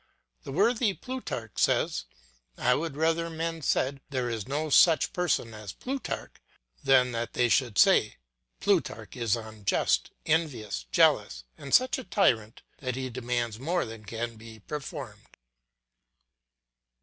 The worthy Plutarch says, "I would rather men said, 'There is no such person as Plutarch,' than that they should say, 'Plutarch is unjust, envious, jealous, and such a tyrant that he demands more than can be performed.'"